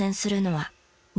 はい。